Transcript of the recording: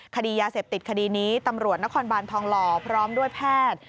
คดียาเสพติดคดีนี้ตำรวจนครบานทองหล่อพร้อมด้วยแพทย์